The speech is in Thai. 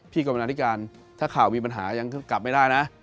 กรรมนาธิการถ้าข่าวมีปัญหายังกลับไม่ได้นะ